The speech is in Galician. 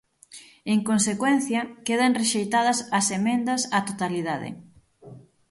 En consecuencia, quedan rexeitadas as emendas á totalidade.